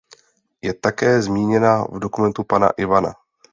Je také zmíněna v dokumentu pana Ivana.